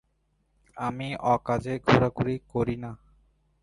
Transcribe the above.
আমি অকাজে ঘোরাঘুরি করি না।